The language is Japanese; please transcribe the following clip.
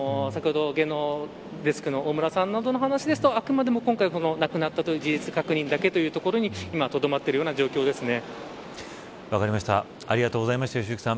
先ほどの芸能デスクの大村さんの話ですと今回、亡くなったという事実確認だけというところに今、とどまっている状況ですね。